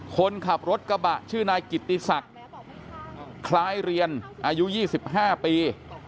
คนขับรถกระบะชื่อนายกิติศักดิ์คล้ายเรียนอายุ๒๕ปี